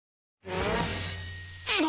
何